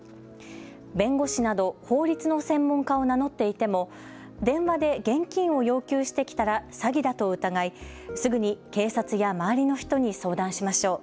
弁護士など法律の専門家を名乗っていても、電話で現金を要求してきたら詐欺だと疑い、すぐに警察や周りの人に相談しましょう。